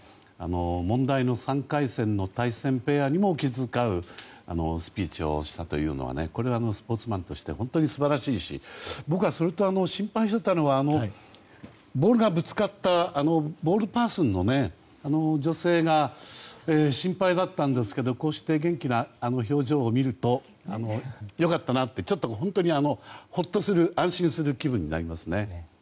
問題の３回戦の対戦ペアにも気遣うスピーチをしたというのはこれはスポーツマンとして本当に素晴らしいしそれと僕が心配していたのはボールがぶつかったボールパーソンの女性が心配だったんですけどこうして元気な表情を見ると良かったなとホッとする安心する気分になりますね。